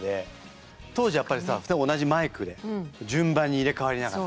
当時やっぱりさ同じマイクで順番に入れ代わりながら。